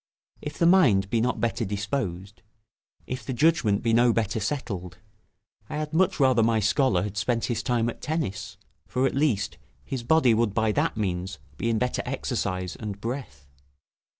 If the mind be not better disposed, if the judgment be no better settled, I had much rather my scholar had spent his time at tennis, for, at least, his body would by that means be in better exercise and breath.